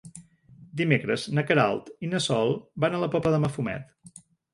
Dimecres na Queralt i na Sol van a la Pobla de Mafumet.